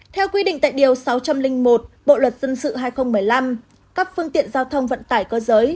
theo quy định tại điều sáu trăm linh một bộ luật dân sự hai nghìn một mươi năm các phương tiện giao thông vận tải cơ giới